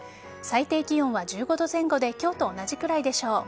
最低気温は１５度前後で今日と同じくらいでしょう。